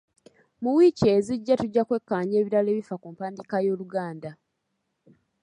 Mu wiiki ezijja tujja kwekkaanya ebirala ebifa ku mpandiika y'Oluganda.